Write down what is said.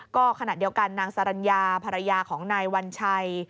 ก็ขณะเดียวกันนางสรรญาภรรยาของนายวัญชัย